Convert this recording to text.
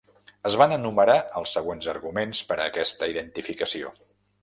Es van enumerar els següents arguments per a aquesta identificació.